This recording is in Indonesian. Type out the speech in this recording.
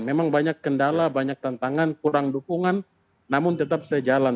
memang banyak kendala banyak tantangan kurang dukungan namun tetap sejalan